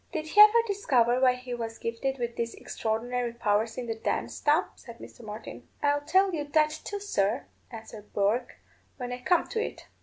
"Did he ever discover why he was gifted with these extraordinary powers in the dance, Tom?" said Mr. Martin. "I'll tell you that too, sir," answered Bourke, "when I come to it.